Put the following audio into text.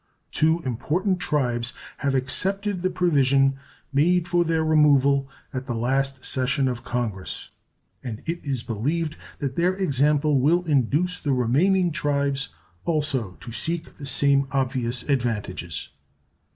Two important tribes have accepted the provision made for their removal at the last session of Congress, and it is believed that their example will induce the remaining tribes also to seek the same obvious advantages.